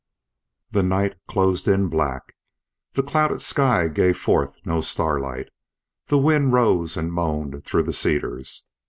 The night closed in black; the clouded sky gave forth no starlight; the wind rose and moaned through the cedars.